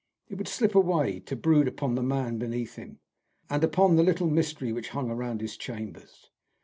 It would slip away to brood upon the man beneath him, and upon the little mystery which hung round his chambers.